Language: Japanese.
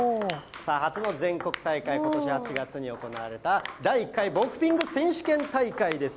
初の全国大会、こちら、８月に行われた第１回ボクピング選手権大会です。